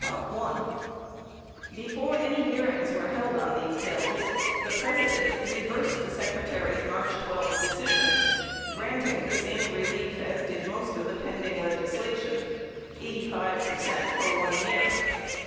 I; Before any hearings were held on these bills, the President reversed the Secretary's March 12 decision, granting the same relief as did most of the pending legislation — 85 percent for 1 year.